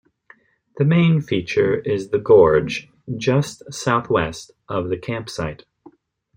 The main feature is the gorge just south west of the campsite.